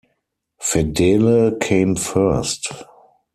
Fedele came first.